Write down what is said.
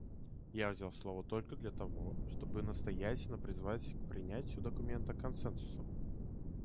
Я взял слово только для того, чтобы настоятельно призвать к принятию документа консенсусом.